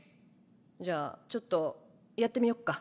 じゃあちょっとやってみよっか。